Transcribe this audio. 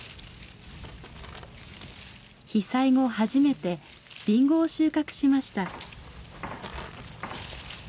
被災後はじめてリンゴを収穫しました。